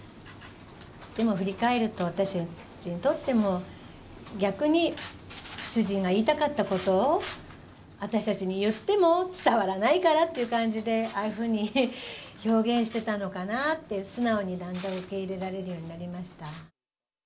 今振り返ると、私たちにとっても、逆に主人が言いたかったこと、私たちに言っても伝わらないからっていう感じで、ああいうふうに表現してたのかなって、素直にだんだん受け入れられるようになりました。